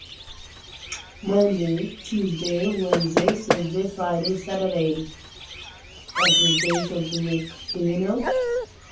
Инициатива Австралии и Японии важна и по другим причинам.